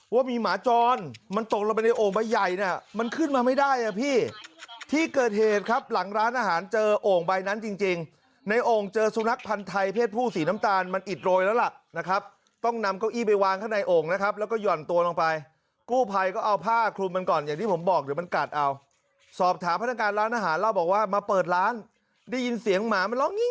ว่ามีหมาจรมันตกลงไปในโอ่งใบใหญ่เนี่ยมันขึ้นมาไม่ได้อ่ะพี่ที่เกิดเหตุครับหลังร้านอาหารเจอโอ่งใบนั้นจริงในโอ่งเจอสุนัขพันธ์ไทยเพศผู้สีน้ำตาลมันอิดโรยแล้วล่ะนะครับต้องนำเก้าอี้ไปวางข้างในโอ่งนะครับแล้วก็หย่อนตัวลงไปกู้ภัยก็เอาผ้าคลุมมันก่อนอย่างที่ผมบอกเดี๋ยวมั